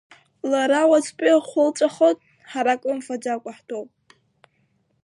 Лара уаҵәтәи ахәы лҵәахот, ҳара крымфаӡакәа ҳтәоуп.